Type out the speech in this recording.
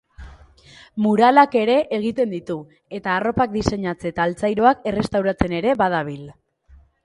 Muralak ere egiten ditu, eta arropak diseinatze eta altzairuak errestauratzen ere badabil.